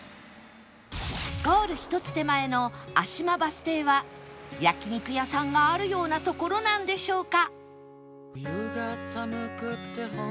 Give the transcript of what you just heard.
ゴール１つ手前の芦間バス停は焼肉屋さんがあるような所なんでしょうか？